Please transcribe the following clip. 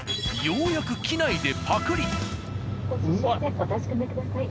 ようやく機内でパクリ。